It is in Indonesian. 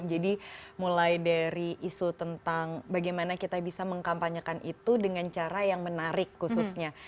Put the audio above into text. mulai dari isu tentang bagaimana kita bisa mengkampanyekan itu dengan cara yang menarik khususnya